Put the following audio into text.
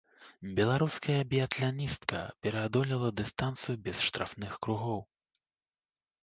Беларуская біятланістка пераадолела дыстанцыю без штрафных кругоў.